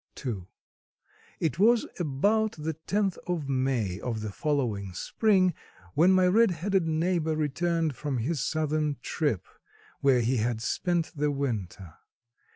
II. It was about the tenth of May of the following spring when my red headed neighbor returned from his southern trip, where he had spent the winter.